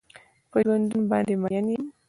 په ژوندون باندې مين يم.